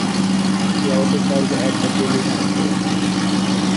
She also served at the Delhi High Court.